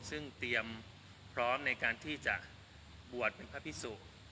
ซึ่งเตรียมพร้อมในการที่จะบวชเป็นพระพิสุ